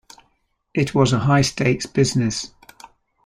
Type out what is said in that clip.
It was a high-stakes business.